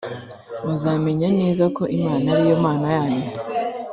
muzamenya neza ko imana ariyo mana yanyu